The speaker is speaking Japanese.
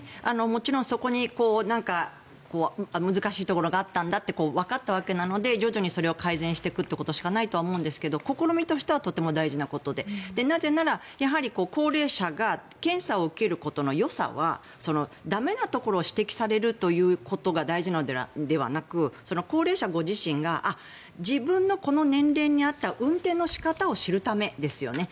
もちろんそこに難しいところがあったんだってわかったわけなので徐々にそれを改善していくしかないと思うんですが試みとしてはとても大事なことでなぜなら、高齢者が検査を受けることのよさは駄目なところを指摘されるということが大事なのではなく高齢者ご自身が自分のこの年齢に合った運転の仕方を知るためですよね。